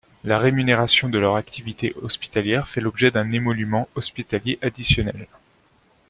La rémunération de leur activité hospitalière fait l'objet d'un émolument hospitalier additionnel.